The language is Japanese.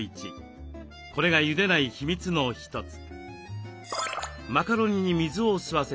これがゆでない秘密の一つ。